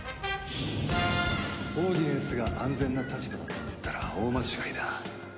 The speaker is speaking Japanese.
オーディエンスが安全な立場だと思ったら大間違いだ。